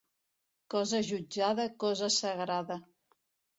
Cosa jutjada, cosa sagrada.